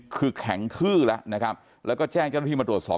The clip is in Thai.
คือแข็งทื้อแล้วนะครับแล้วก็แจ้งเจ้าหน้าที่มาตรวจสอบ